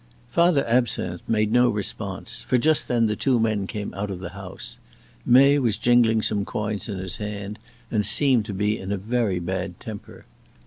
Father Absinthe made no response, for just then the two men came out of the house. May was jingling some coins in his hand, and seemed to be in a very bad temper.